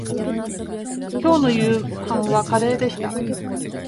きょうの夕飯はカレーでした